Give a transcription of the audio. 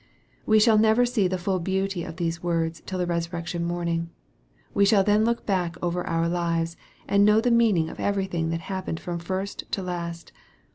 We shall never see the full beauty of these words till the resurrection morning. We shall then look back over our lives, and know the meaning of everything that happened from first to last.